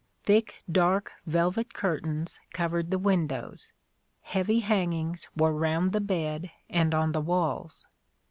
Thick, dark velvet curtains covered the windows : heavy hangings were round the bed and on the walls.